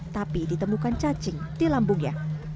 tapi ditemukan cacing di lambungnya